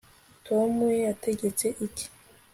tom yategetse iki